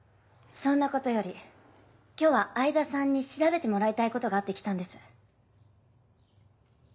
そんなことより今日は相田さんに調べてもらいたいことがあって来たんです。